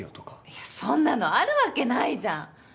いやそんなのあるわけないじゃん。